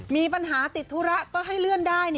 มีปัญหาติดธุระก็ให้เลื่อนได้